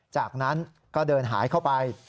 จากนั้นก็เดินหายเข้าไป